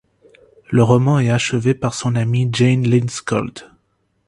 Le roman est achevé par son amie Jane Lindskold.